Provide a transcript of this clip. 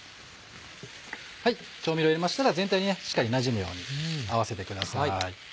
調味料入れましたら全体にしっかりなじむように合わせてください。